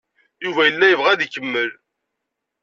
Yuba yella yebɣa ad ikemmel.